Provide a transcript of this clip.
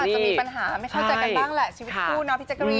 ก็จะมีปัญหาไม่เข้าใจกัน